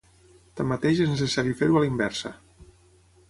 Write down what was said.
Tanmateix és necessari fer-ho a la inversa.